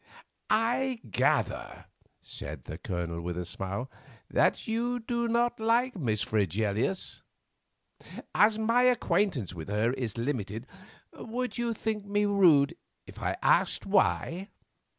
"I gather," said the Colonel with a smile, "that you do not like Miss Fregelius. As my acquaintance with her is limited, would you think me rude if I asked why?"